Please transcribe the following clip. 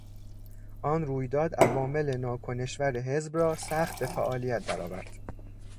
آن رویداد عوامل ناکنشور حزب را سخت به فعالیت در آورد.